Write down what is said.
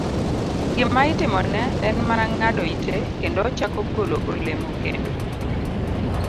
Gima itimone en mana ng'ado ite kendo ochako golo olemo kendo.